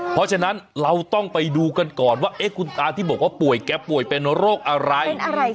เพราะฉะนั้นเราต้องไปดูกันก่อนว่าคุณตาที่บอกว่าป่วยแกป่วยเป็นโรคอะไร